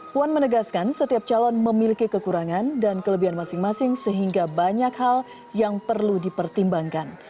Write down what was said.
puan menegaskan setiap calon memiliki kekurangan dan kelebihan masing masing sehingga banyak hal yang perlu dipertimbangkan